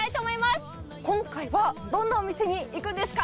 今回はどんなお店に行くんですか？